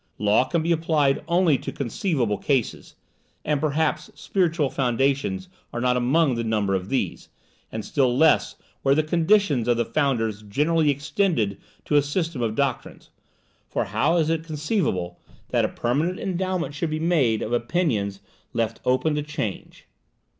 Law can be applied only to conceivable cases, and perhaps spiritual foundations are not among the number of these, and still less where the conditions of the founders generally extended to a system of doctrines; for how is it conceivable that a permanent endowment should be made of opinions left open to change?